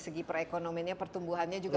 segi perekonomiannya pertumbuhannya juga